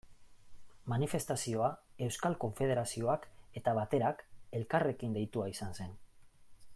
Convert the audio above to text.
Manifestazioa Euskal Konfederazioak eta Baterak elkarrekin deitua izan zen.